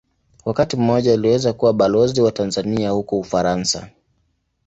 Wakati mmoja aliweza kuwa Balozi wa Tanzania huko Ufaransa.